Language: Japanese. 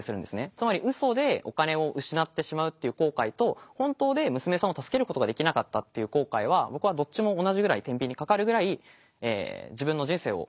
つまりウソでお金を失ってしまうという後悔と本当で娘さんを助けることができなかったという後悔は僕はどっちも同じぐらいてんびんにかかるぐらい自分の人生を決めるもの